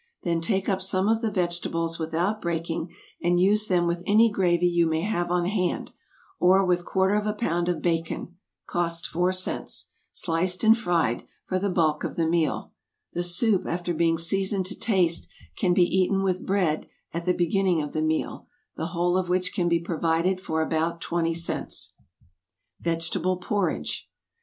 Then take up some of the vegetables without breaking, and use them with any gravy you may have on hand, or with quarter of a pound of bacon, (cost four cents,) sliced and fried, for the bulk of the meal; the soup after being seasoned to taste can be eaten with bread, at the beginning of the meal, the whole of which can be provided for about twenty cents. =Vegetable Porridge.